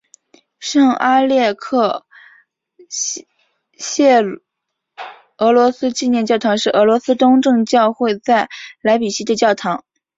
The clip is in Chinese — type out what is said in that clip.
圣阿列克谢俄罗斯纪念教堂是俄罗斯东正教会在莱比锡的教堂。